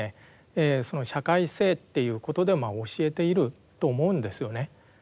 社会性っていうことでまあ教えていると思うんですよね。